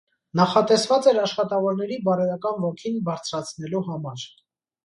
Նախատեսված էր աշխատավորների բարոյական ոգին բարձրացնելու համար։